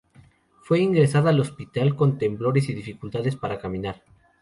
Fue ingresada al hospital con temblores y dificultades para caminar.